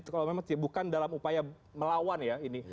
kalau memang bukan dalam upaya melawan ya ini